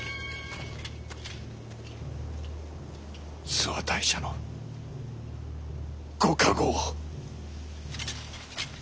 諏訪大社のご加護を。